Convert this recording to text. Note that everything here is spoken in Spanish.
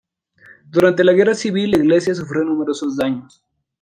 Durante la guerra civil la iglesia sufrió numerosos daños.